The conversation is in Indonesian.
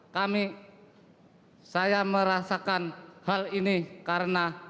kami saya merasakan hal ini karena